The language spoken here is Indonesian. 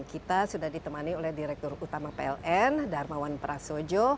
kita sudah ditemani oleh direktur utama pln darmawan prasojo